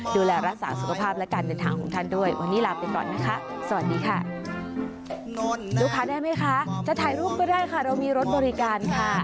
ดูแลรักษาสุขภาพและการเดินถังของท่านด้วยวันนี้ลาไปก่อนนะคะสวัสดีค่ะ